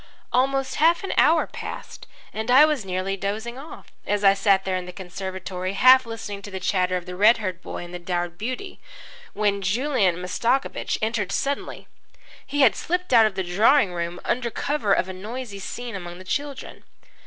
Almost half an hour passed, and I was nearly dozing off, as I sat there in the conservatory half listening to the chatter of the red haired boy and the dowered beauty, when Julian Mastakovich entered suddenly. He had slipped out of the drawing room under cover of a noisy scene among the children.